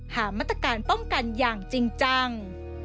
หามาตรการป้องกันอย่างจริงจัง